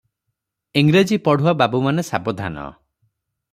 ଇଂରେଜୀ ପଢୁଆ ବାବୁମାନେ ସାବଧାନ!